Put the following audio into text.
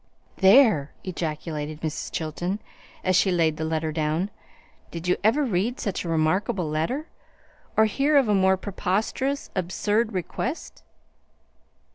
"There!" ejaculated Mrs. Chilton, as she laid the letter down. "Did you ever read such a remarkable letter, or hear of a more preposterous, absurd request?"